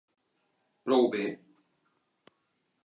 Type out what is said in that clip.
Prou bé.